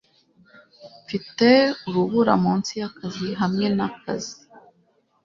mfite urubura munsi yakazi hamwe nakazi